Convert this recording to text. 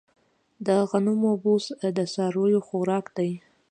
د غنمو بوس د څارویو خوراک دی.